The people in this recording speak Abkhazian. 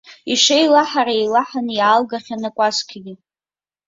Ишеилаҳара еилаҳаны иалгахьан акәасқьагьы.